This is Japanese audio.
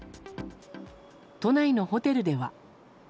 都内のホテルでは。